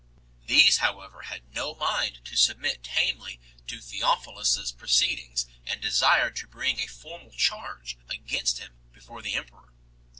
These however had no mind to submit tamely to Theophilus s proceedings and desired to bring a formal charge against him before the emperor.